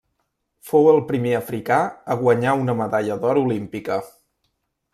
Fou el primer africà a guanyar una medalla d'or olímpica.